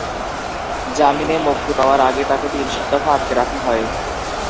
জামিনে মুক্তি পাওয়ার আগে তাকে তিন সপ্তাহ আটক রাখা হয়।